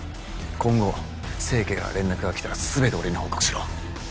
今後清家から連絡が来たら全て俺に報告しろ。